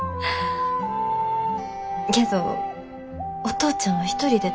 けどお父ちゃんは一人で大丈夫？